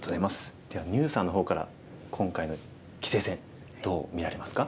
では牛さんの方から今回の棋聖戦どう見られますか？